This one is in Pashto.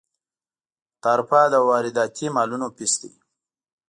تعرفه د وارداتي مالونو فیس دی.